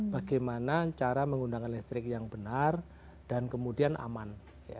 bagaimana cara menggunakan listrik yang benar dan kemudian aman